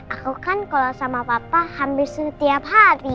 aku kan kalau sama papa hampir setiap hari